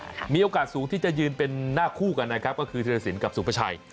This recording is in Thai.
แล้วมีโอกาสสูงที่จะยืนเป็นหน้าคู่กันขือธริสินกับสุภาชัย